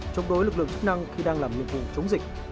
chống đối lực lượng chức năng khi đang làm nhiệm vụ chống dịch